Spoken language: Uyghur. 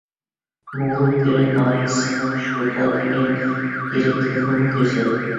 موڭغۇلكۈرە ناھىيەسىنىڭ شوتا دېگەن يېرى تېخىمۇ گۈزەل.